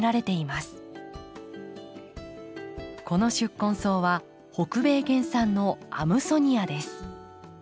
この宿根草は北米原産のアムソニアです。